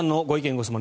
・ご質問